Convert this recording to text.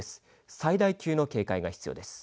最大級の警戒が必要です。